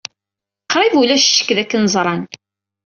Qrib ulac ccekk dakken ẓran.